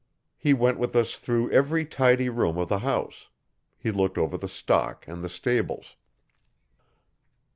He went with us through every tidy room of the house. He looked over the stock and the stables.